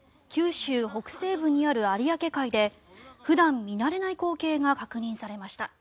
九州北西部にある有明海で普段、見慣れない光景が確認されました。